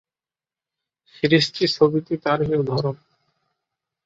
সিরিজটি ছবিটি তারই উদাহরণ।